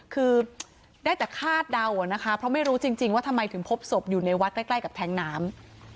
คือได้แต่คาดเดานะคะเพราะไม่รู้จริงว่าทำไมถึงพบศพอยู่ในวัดใกล้กับแท้งน้ำ